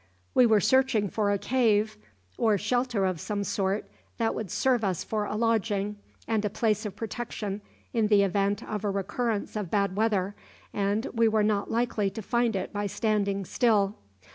We were searching for a cave, or shelter of some sort, that would serve us for a lodging and a place of protection in the event of a recurrence of bad weather, and we were not likely to find it by standing still.